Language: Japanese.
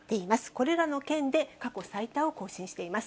これらの県で過去最多を更新しています。